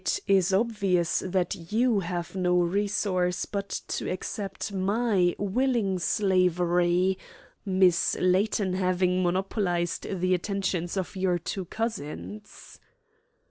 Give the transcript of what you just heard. "It is obvious that you have no resource but to accept my willing slavery, Miss Layton having monopolised the attentions of your two cousins."